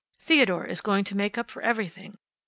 Theodore is going to make up for everything.